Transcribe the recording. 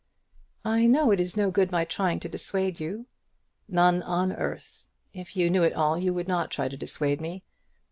"I know it is no good my trying to dissuade you." "None on earth. If you knew it all you would not try to dissuade me.